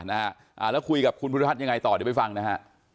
แล้วคุยกับคุณภูริพัฒน์ยังไงต่อเดี๋ยวไปฟังนะฮะ